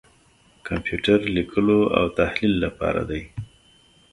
کمپیوټر لیکلو او تحلیل لپاره دی.